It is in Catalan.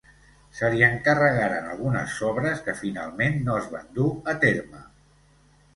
Se li encarregaren algunes sobres que finalment no es van dur a terme.